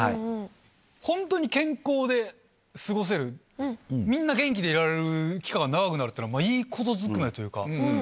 本当に健康で過ごせる、みんな元気でいられる期間が長くなるっていうのは、いいことずくめと言うか。